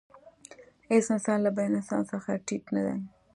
هېڅ انسان له بل انسان څخه ټیټ نه دی.